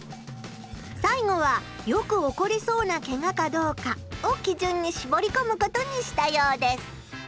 さいごはよく起こりそうなケガかどうかをきじゅんにしぼりこむことにしたようです。